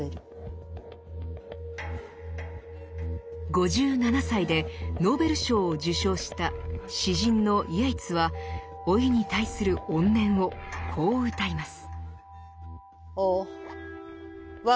５７歳でノーベル賞を受賞した詩人のイェイツは老いに対する怨念をこううたいます。